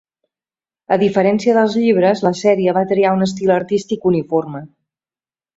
A diferència dels llibres, la sèrie va triar un estil artístic uniforme.